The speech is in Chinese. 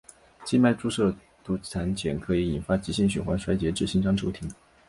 静脉注射毒蕈碱可以引发急性循环衰竭至心脏骤停。